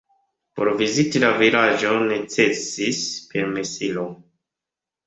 Por viziti la vilaĝon necesis permesilo.